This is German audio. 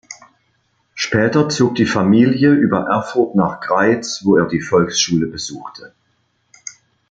Später zog die Familie über Erfurt nach Greiz, wo er die Volksschule besuchte.